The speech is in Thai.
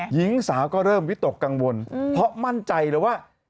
หญิงสาวก็เริ่มวิตกกังวลเพราะมั่นใจเลยว่า